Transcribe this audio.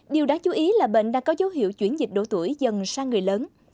điều đáng chú ý là bệnh đang có dấu hiệu chuyển dịch độ tuổi dần sang người lớn